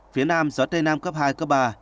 phía nam gió tây nam cấp hai cấp ba